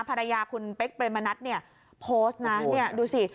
ภรรยาคุณเป๊กเปรมนัดเนี่ยโพสต์นะเนี่ยดูสิ